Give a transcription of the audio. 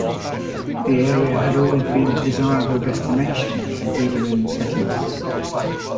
The area had always been a desirable destination for Buderim settlers.